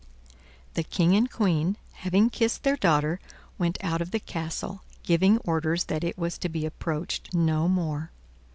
The King and Queen, having kissed their daughter, went out of the castle, giving orders that it was to be approached no more.